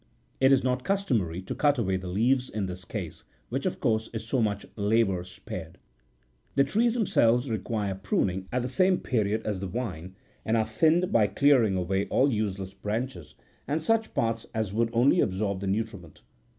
It is not customary to cut away the leaves in this case, which, of course, is so much labour spared. The trees themselves require pruning at the same period as the vine, and are thinned by clearing away all useless branches, and such parts as would only absorb the nutriment.